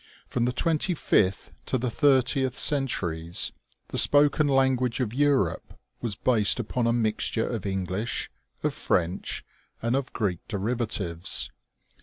From the twenty fifth to the thirtieth cen turies, the spoken language of Europe was based upon a mixture of English, of French, and of Greek derivatives.